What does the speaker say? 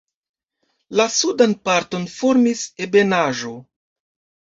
La sudan parton formis ebenaĵo.